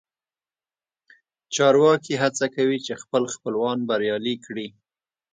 چارواکي هڅه کوي چې خپل خپلوان بریالي کړي